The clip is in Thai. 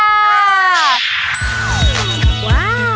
ว้าว